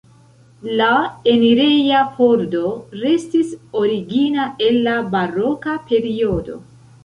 La enireja pordo restis origina el la baroka periodo.